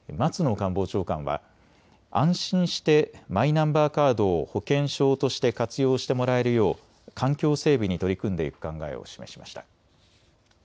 官房長官は安心してマイナンバーカードを保険証として活用してもらえるよう環境整備に取り組んでいく考えを示しました。